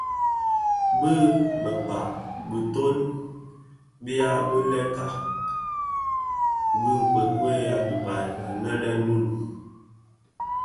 Bi bëkpag bitoň bya bi bèlèga bi nkokuel a dhibaï anë le Noun.